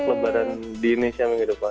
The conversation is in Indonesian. untuk lebaran di indonesia minggu depan